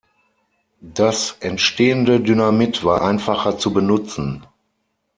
Das entstehende Dynamit war einfacher zu benutzen.